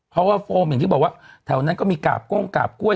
เพราะว่าโฟมอย่างที่บอกว่าแถวนั้นก็มีกาบโก้งกาบกล้วย